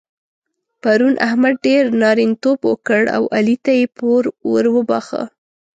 پرون احمد ډېر نارینتوب وکړ او علي ته يې پور ور وباښه.